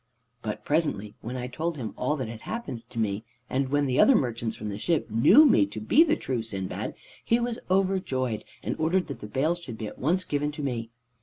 "But presently, when I had told him all that had happened to me, and when the other merchants from the ship knew me to be the true Sindbad, he was overjoyed, and ordered that the bales should be at once given to me.